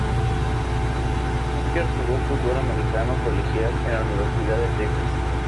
Tucker jugó fútbol americano colegial en la Universidad de Texas.